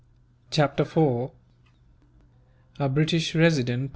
Chapter 4: A British Resident.